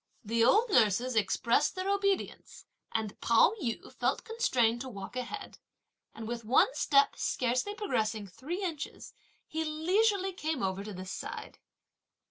The old nurses expressed their obedience, and Pao yü felt constrained to walk ahead; and with one step scarcely progressing three inches, he leisurely came over to this side.